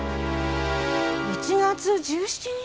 １月１７日？